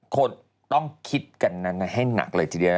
คนต้องคิดกันนั้นให้หนักเลยทีเดียว